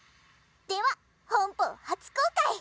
「では本邦初公開！